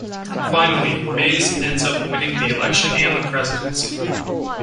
Finally, Mays ends up winning the election and the presidency.